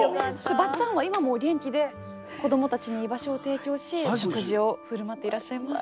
ばっちゃんは今もお元気で子どもたちに居場所を提供し食事を振る舞っていらっしゃいます。